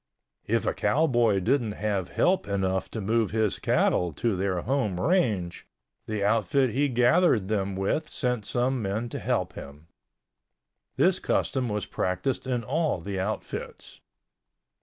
If a cowboy didn't have help enough to move his cattle to their home range, the outfit he gathered them with sent some men to help him. This custom was practiced in all the outfits.